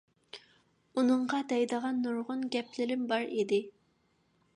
ئۇنىڭغا دەيدىغان نۇرغۇن گەپلىرىم بار ئىدى.